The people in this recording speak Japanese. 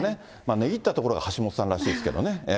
値切ったところが橋下さんらしいですけどね。